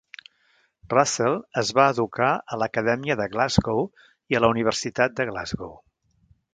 Russell es va educar a l'Acadèmia de Glasgow i a la Universitat de Glasgow.